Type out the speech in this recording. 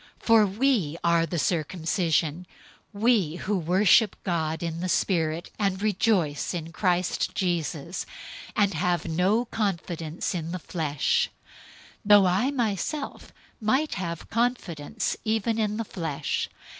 003:003 For we are the circumcision, who worship God in the Spirit, and rejoice in Christ Jesus, and have no confidence in the flesh; 003:004 though I myself might have confidence even in the flesh.